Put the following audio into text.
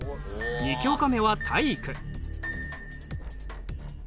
２教科目は体育。